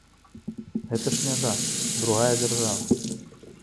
Гэта ж мяжа, другая дзяржава.